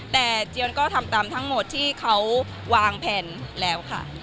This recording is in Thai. แต่เจียนก็ทำตามทั้งหมดที่เขาวางแผนแล้วค่ะ